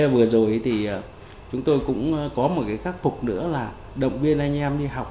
vừa rồi thì chúng tôi cũng có một cái khắc phục nữa là động viên anh em đi học